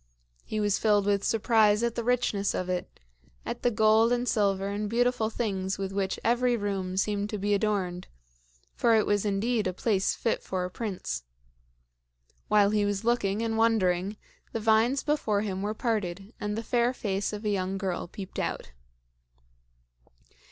He was filled with surprise at the richness of it at the gold and silver and beautiful things with which every room seemed to be adorned for it was indeed a place fit for a prince. While he was looking and wondering, the vines before him were parted and the fair face of a young girl peeped out.